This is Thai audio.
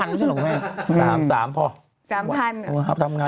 ๕๐๐๐ก็ช่วยเราไง๓พอ